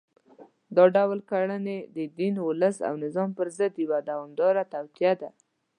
دا ډول کړنې د دین، ولس او نظام پر ضد یوه دوامداره توطیه ده